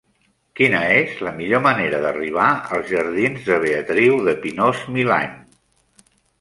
Quina és la millor manera d'arribar als jardins de Beatriu de Pinós-Milany?